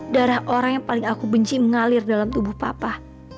darah orang yang paling aku benci mengalir dalam tubuh papa